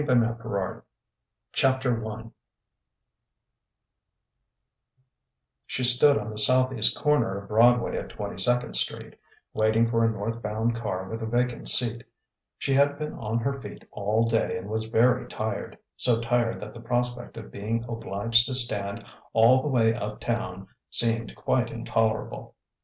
He was gone JOAN THURSDAY I She stood on the southeast corner of Broadway at Twenty second Street, waiting for a northbound car with a vacant seat. She had been on her feet all day and was very tired, so tired that the prospect of being obliged to stand all the way uptown seemed quite intolerable.